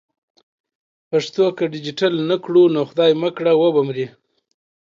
پښتو که ډیجیټل نه کړو نو خدای مه کړه و به مري.